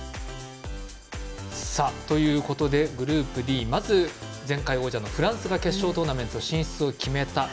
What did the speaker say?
ということで、グループＤまず前回王者のフランスが決勝トーナメント進出を決めた。